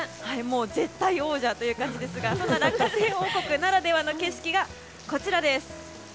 絶対王者という感じですがそんな落花生王国ならではの景色がこちら。